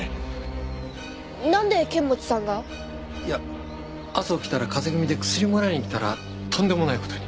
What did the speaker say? なんで剣持さんが？いや朝起きたら風邪気味で薬もらいに来たらとんでもない事に。